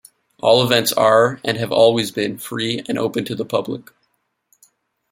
All events are, and have always been, free and open to the public.